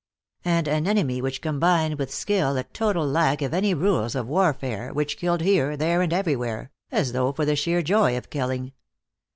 And an enemy which combined with skill a total lack of any rules of warfare, which killed here, there and everywhere, as though for the sheer joy of killing.